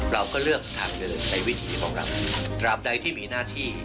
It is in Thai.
เราก็เลือกทางเดินในวิธีของเราตราบใดที่มีหน้าที่